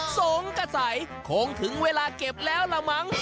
สงสัยคงถึงเวลาเก็บแล้วล่ะมั้ง